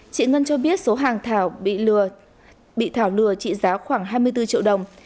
chị ngân cho biết số hàng thảo bị thảo lừa trị giá khoảng hai mươi